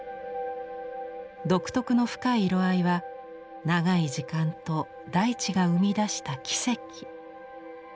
独特の深い色合いは長い時間と大地が生み出した奇跡。